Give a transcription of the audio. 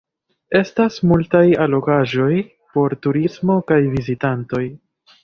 Estas multaj allogaĵoj por turismo kaj vizitantoj.